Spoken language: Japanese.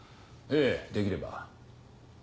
ええできれば。